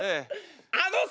あのさ！